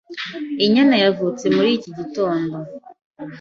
Inyana yavutse muri iki gitondo.